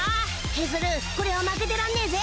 ケズルこれは負けてらんねぇぜ！